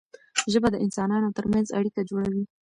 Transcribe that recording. ژبه د انسانانو ترمنځ اړیکه جوړوي.